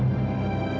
aku mau berjalan